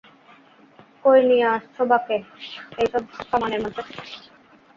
কই নিয়া আসছো বাকে, এইসব কামানের মাঝে?